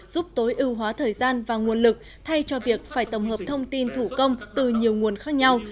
giúp tối ưu hóa thời gian và nguồn lực thay cho việc phải tổng hợp thông tin thủ công từ nhiều nguồn khác nhau